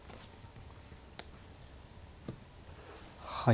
はい。